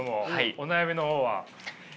お悩みの方は？